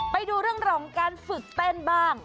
ไปดูเรื่องของการฝึกเต้นบ้าง